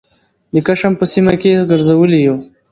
د کشم په سیمه کې یې ګرځولي یوو